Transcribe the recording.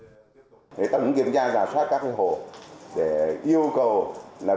tập trung kiểm tra giả sát các hộ để yêu cầu